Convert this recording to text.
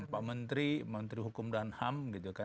pak menteri menteri hukum dan ham